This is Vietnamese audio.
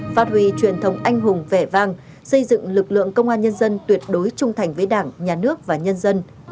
phát huy truyền thống anh hùng vẻ vang xây dựng lực lượng công an nhân dân tuyệt đối trung thành với đảng nhà nước và nhân dân